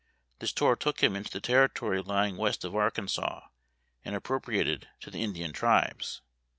This tour took him into the territory lying west of Arkansas, and appropriated to the Indian tribes.